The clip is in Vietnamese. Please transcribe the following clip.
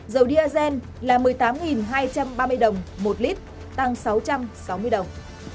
dầu diazen là một mươi tám hai trăm ba mươi đồng một lít tăng sáu trăm sáu mươi đồng